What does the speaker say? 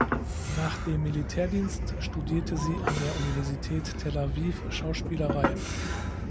Nach dem Militärdienst studierte sie an der Universität Tel Aviv Schauspielerei.